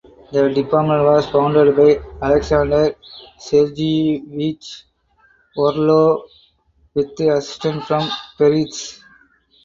The department was founded by Aleksandr Sergeyevich Orlov with assistance from Peretz.